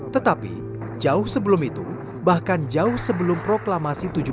tetapi jauh sebelum itu bahkan jauh sebelum proklamasi